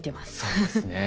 そうですね。